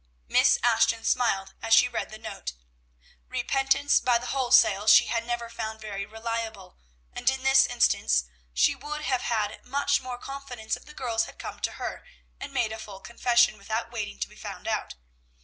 Miss Ashton smiled as she read the note. Repentance by the wholesale she had never found very reliable; and in this instance she would have had much more confidence if the girls had come to her, and made a full confession, without waiting to be found out.